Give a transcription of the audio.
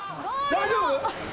大丈夫？